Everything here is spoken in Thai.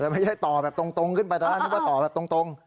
ไม่ใช่ต่อแบบตรงขึ้นไปตอนนั้นนึกว่าต่อแบบตรง